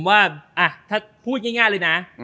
ไม่ได้หมายความว่า